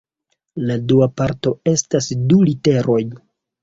La dua parto estas du literoj.